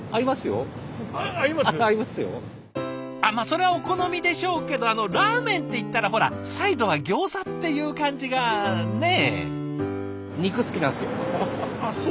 それはお好みでしょうけどあのラーメンっていったらほらサイドはギョーザっていう感じがね。